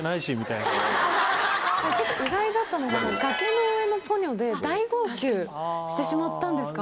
ちょっと意外だったのが『崖の上のポニョ』で大号泣してしまったんですか？